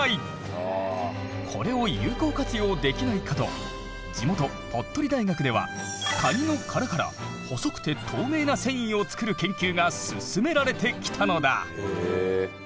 これを有効活用できないかと地元鳥取大学ではカニの殻から細くて透明な繊維を作る研究が進められてきたのだ。